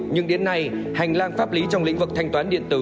nhưng đến nay hành lang pháp lý trong lĩnh vực thanh toán điện tử